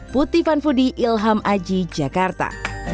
puti fanfudi ilham aji jakarta